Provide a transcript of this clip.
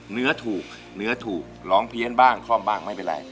เนื้อถูกเนื้อถูกร้องเพี้ยนบ้างคล่อมบ้างไม่เป็นไร